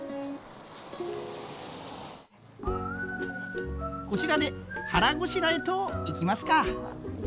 こちらで腹ごしらえといきますか。